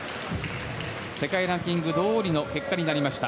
世界ランキングどおりの結果になりました。